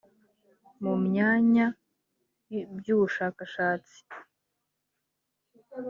mu myanya by ubushakashatsi